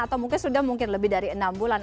atau mungkin sudah mungkin lebih dari enam bulan